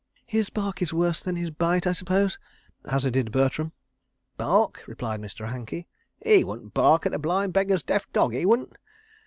.." "His bark is worse than his bite, I suppose?" hazarded Bertram. "Bark!" replied Mr. Hankey. "'E wouldn' bark at a blind beggar's deaf dog, 'e wouldn't.